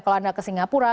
kalau anda ke singapura